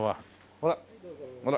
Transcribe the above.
ほらほら。